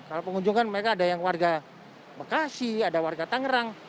kalau pengunjung kan mereka ada yang warga bekasi ada warga tangerang